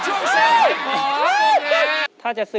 เฮ้ยอย่าลืมฟังเพลงผมอาจารย์นะ